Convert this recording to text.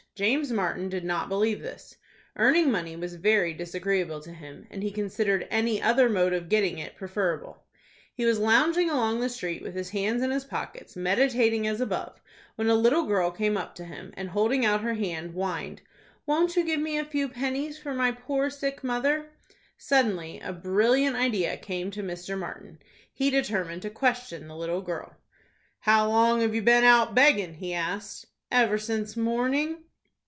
James Martin did not believe this. Earning money was very disagreeable to him, and he considered any other mode of getting it preferable. He was lounging along the street, with his hands in his pockets, meditating as above, when a little girl came up to him, and, holding out her hand, whined out, "Won't you give me a few pennies for my poor sick mother?" Suddenly a brilliant idea came to Mr. Martin. He determined to question the little girl. "How long have you been out beggin'?" he asked. "Ever since morning."